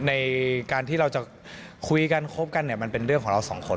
ในการที่เราจะคุยกันคบกันเนี่ยมันเป็นเรื่องของเราสองคน